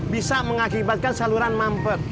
bisa mengakibatkan saluran mampet